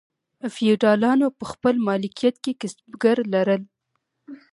فیوډالانو په خپل مالکیت کې کسبګر لرل.